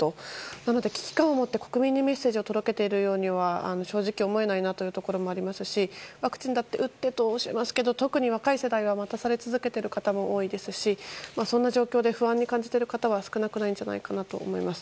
なので危機感を持って国民にメッセージを届けているようには正直、思えないなというところがありますしワクチンだって打ってとおっしゃいますが若い方は待たされ続ける方多いですし、そんな状況で不安に感じている方は少なくないんじゃないかと思います。